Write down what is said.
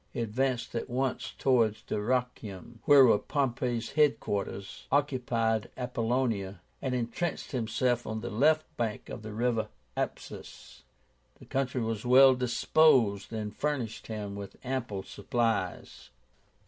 He advanced at once towards Dyrrachium where were Pompey's head quarters, occupied Apollonia, and intrenched himself on the left bank of the river Apsus. The country was well disposed and furnished him with ample supplies.